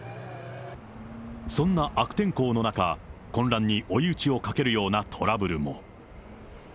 そんな悪天候の中、混乱に追い打ちをかけるようなトラブルも。